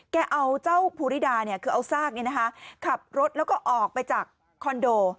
แกเอาเจ้าภูริดาคือเอาซากขับรถแล้วก็ออกไปจากคอนโด